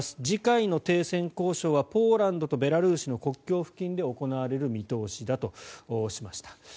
次回の停戦交渉はポーランドとベラルーシの国境付近で行われる見通しだとしました。